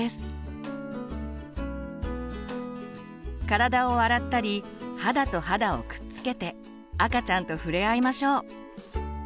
体を洗ったり肌と肌をくっつけて赤ちゃんと触れ合いましょう。